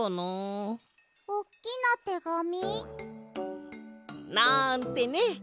おっきなてがみ？なんてね！